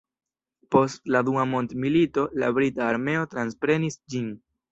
Post la dua mondmilito la brita armeo transprenis ĝin.